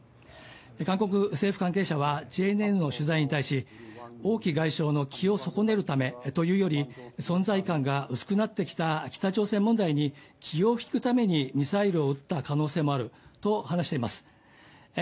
韓国政府関係者はＪＮＮの取材に対し、王毅外相の気を損ねるためというより、存在感が薄くなってきた北朝鮮問題に気を引くためにミサイルを撃った可能性もあると話しています。